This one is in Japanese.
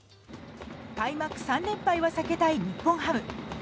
開幕３連敗は避けたい日本ハム。